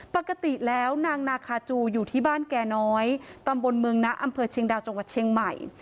ปกติแล้วนางนาคาจูอยู่ที่บ้านแก่น้อยตำบลเมืองนะอำเภอเชียงดาวจังหวัดเชียงใหม่